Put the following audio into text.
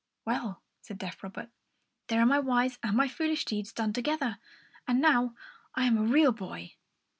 "Well," said deaf Robert, "there are my wise and my foolish deeds done together, and now I am a real boy!"